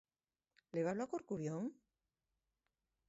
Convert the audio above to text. Levalo a Corcubión?